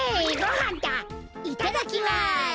いただきます。